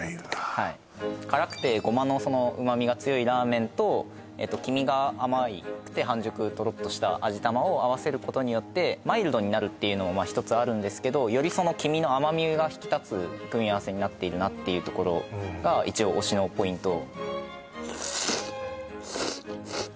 はい辛くてゴマの旨味が強いラーメンと黄身が甘くて半熟トロっとした味玉を合わせることによってマイルドになるっていうのも１つあるんですけどよりその黄身の甘みが引き立つ組み合わせになっているなっていうところが一応推しのポイント